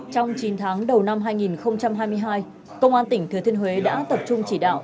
trong chín tháng đầu năm hai nghìn hai mươi hai công an tỉnh thừa thiên huế đã tập trung chỉ đạo